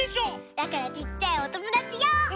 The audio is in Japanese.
だからちっちゃいおともだちよう！